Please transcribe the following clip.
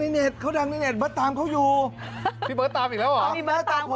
พี่เบอร์ตามอีกแล้วเหรอเบอร์ตามเขาอยู่เหรอเบอร์ตามเบอร์ตาม